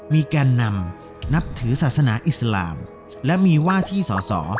มีแกนนำนับถือศาสนาอิสลามและมีว่าที่สอสอ